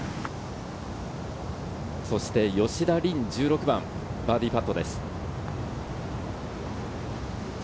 そして吉田鈴、１６番のバーディーパットです。